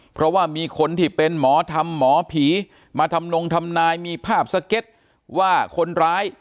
เพราะว่ามีคนที่เป็นหมอธรรมหมอผีมาทำนงทำนายมีภาพสเก็ตว่าคนร้าย